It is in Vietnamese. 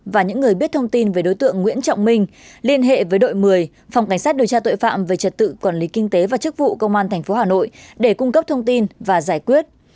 và những người biết thông tin về đối tượng nguyễn trọng minh liên hệ với đội một mươi phòng cảnh sát điều tra tội phạm về trật tự quản lý kinh tế và chức vụ công an tp hà nội để cung cấp thông tin và giải quyết